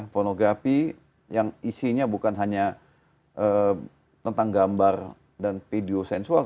pornografi yang isinya bukan hanya tentang gambar dan video sensual